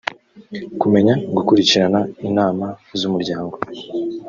kumenya gukurikirana inama z’ umuryango